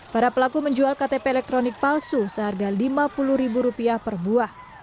para pelaku menjual ktp elektronik palsu seharga rp lima puluh per buah